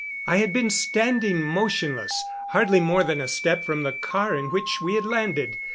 I had been standing motionless, hardly more than a step from the car in which we had landed.